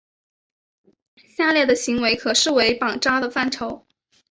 下列的行为可视为绑扎的范畴。